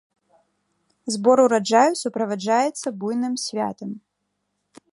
Збор ураджаю суправаджаецца буйным святам.